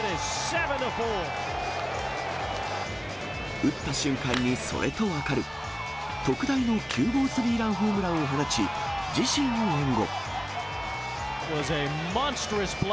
打った瞬間にそれと分かる、特大の９号スリーランホームランを放ち、自身を援護。